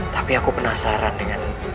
tapi aku penasaran dengan